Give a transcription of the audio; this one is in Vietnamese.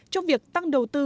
trong việc tăng đầu tư